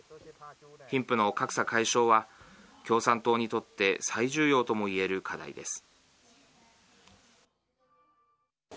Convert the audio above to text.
貧富の格差解消は共産党にとって最重要ともいえる課題です。